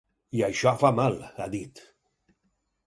I això fa mal, ha dit.